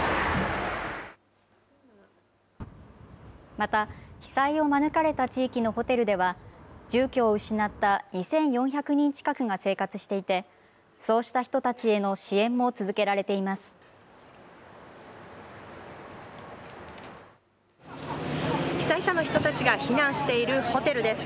また、被災をまぬかれた地域のホテルでは、住居を失った２４００人近くが生活していて、そうした人たちへの被災者の人たちが避難しているホテルです。